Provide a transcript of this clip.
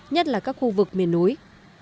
nhất là các khu vực miền núi